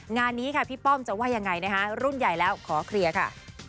งานนี้ค่ะพี่ป้อมจะว่ายังไงนะคะรุ่นใหญ่แล้วขอเคลียร์ค่ะ